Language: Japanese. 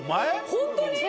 ホントに？